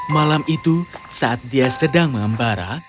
malam itu saat dia sedang mengembara